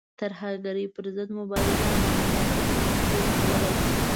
ترهګرۍ پر ضد مبارزه مناسبې نتیجې ورکولای شي.